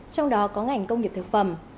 trong đó có ngành công nghiệp thực phẩm